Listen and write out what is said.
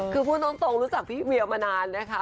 คือพูดตรงรู้จักพี่เวียวมานานนะคะ